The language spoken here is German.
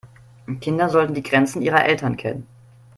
Kinder sollten die Grenzen ihrer Eltern kennen.